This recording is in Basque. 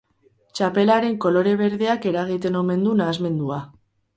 Txapelaren kolore berdeak eragiten omen du nahasmendua.